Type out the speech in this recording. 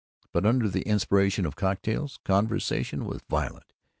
But under the inspiration of the cocktails, conversation was violent.